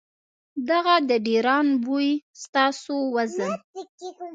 دغه د ډېران بوئي ستاسو وزن ،